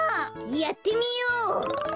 やってみよう！